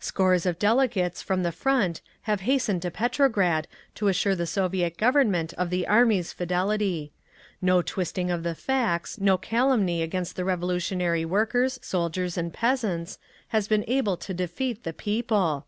Scores of delegates from the Front have hastened to Petrograd to assure the Soviet Government of the Army's fidelity. No twisting of the facts, no calumny against the revolutionary workers, soldiers, and peasants, has been able to defeat the People.